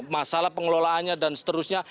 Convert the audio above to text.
masalah pengelolaannya dan seterusnya